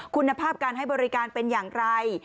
คุณภาพการให้บริการเป็นอย่างไร